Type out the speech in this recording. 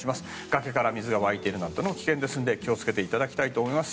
崖から水が湧いているのも危険ですので気を付けていただきたいと思います。